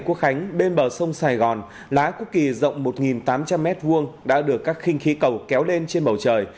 quốc khánh bên bờ sông sài gòn lá quốc kỳ rộng một tám trăm linh m hai đã được các khinh khí cầu kéo lên trên bầu trời